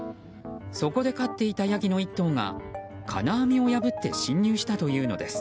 そこで飼っていたヤギの１頭が金網を破って侵入したというのです。